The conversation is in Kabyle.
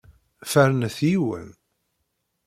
Fernet yiwen.